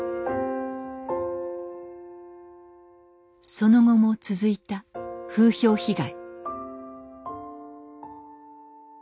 その後も続いた風評被害。